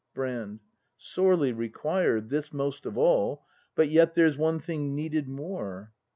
Brand. Sorely required; this most of all; But yet there's one thing needed more.